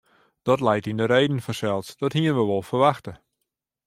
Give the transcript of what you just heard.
Dat leit yn de reden fansels, dat hienen we wol ferwachte.